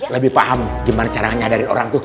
lebih paham gimana caranya nyadarin orang itu